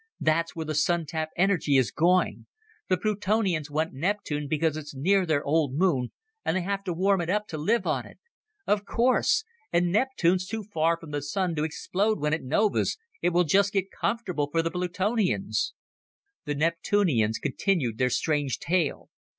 "That's where the Sun tap energy is going. The Plutonians want Neptune because it's near their old moon, and they have to warm it up to live on it. Of course! And Neptune's too far from the Sun to explode when it novas, it will just get comfortable for the Plutonians!" The Neptunians continued their strange tale.